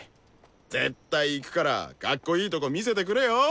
絶対行くからかっこいいとこ見せてくれよ。